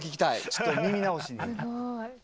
ちょっと耳直しに。